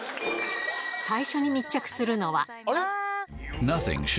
最初に密着するのは。